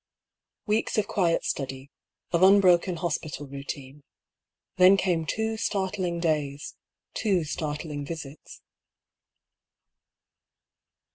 Weeks of quiet study, of unbroken hospital routine : then came two startling days, two startling visits.